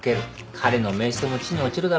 彼の名声も地に落ちるだろうね。